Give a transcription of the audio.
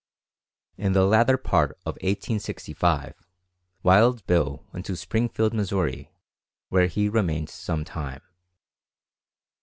In the latter part of 1865, Wild Bill went to Springfield, Missouri, where he remained some time.